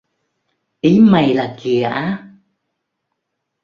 Ý mày là kìa á